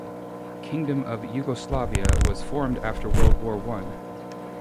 Kingdom of Yugoslavia was formed after World War One.